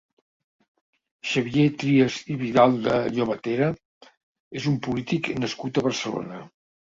Xavier Trias i Vidal de Llobatera és un polític nascut a Barcelona.